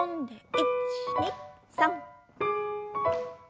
１２３。